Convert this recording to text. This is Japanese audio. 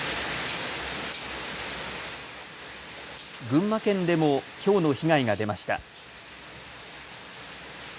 群馬県でもひょうの被害が出ました。